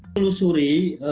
terusuri satu pertanyaan